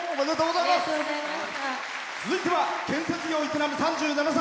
続いては建築業を営む３７歳。